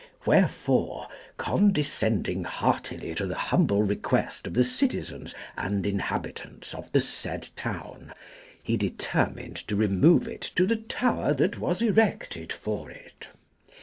Wherefore, condescending heartily to the humble request of the citizens and inhabitants of the said town, he determined to remove it to the tower that was erected for it.